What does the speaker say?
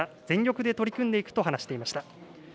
全力で取り組んでいくと話していました。